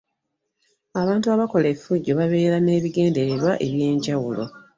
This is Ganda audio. Abantu abakola effujjo babeera n'ebigendererwa eby'enjawulo.